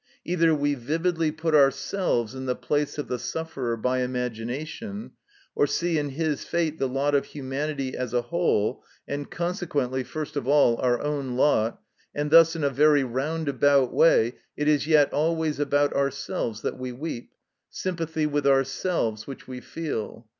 Either we vividly put ourselves in the place of the sufferer by imagination, or see in his fate the lot of humanity as a whole, and consequently, first of all, our own lot; and thus, in a very roundabout way, it is yet always about ourselves that we weep, sympathy with ourselves which we feel.